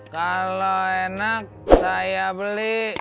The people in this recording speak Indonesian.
kalau enak saya beli